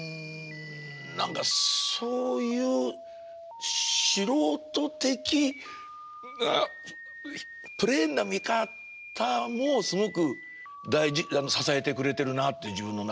何かそういう素人的なプレーンな見方もすごく支えてくれてるなって自分の中で。